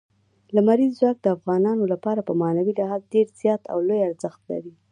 لمریز ځواک د افغانانو لپاره په معنوي لحاظ ډېر زیات او لوی ارزښت لري.